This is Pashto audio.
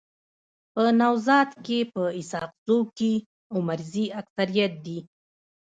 په نوزاد کي په اسحق زو کي عمرزي اکثريت دي.